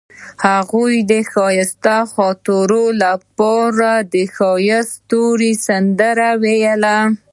هغې د ښایسته خاطرو لپاره د ښایسته ستوري سندره ویله.